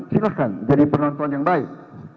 silahkan jadi penonton yang baik